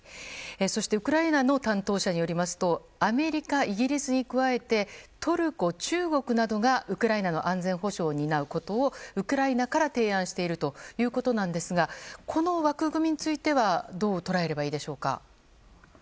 そしてウクライナの担当者によりますとアメリカ、イギリスに加えてトルコ、中国などがウクライナの安全保障を担うことをウクライナから提案しているということですがこの枠組についてはどう捉えればいいでしょうか。